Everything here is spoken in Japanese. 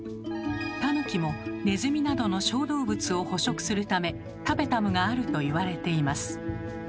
タヌキもネズミなどの小動物を捕食するためタペタムがあるといわれています。